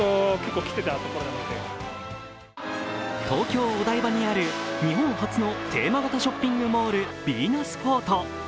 東京、お台場にある日本初のテーマ型ショッピングモール、ヴィーナスフォート。